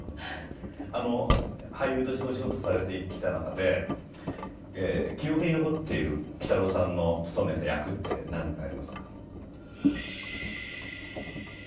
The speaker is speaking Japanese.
あの俳優としてお仕事されてきた中で記憶に残っているきたろうさんの務めた役って何かありますか？